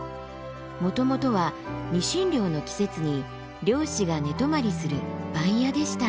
もともとはニシン漁の季節に漁師が寝泊まりする番屋でした。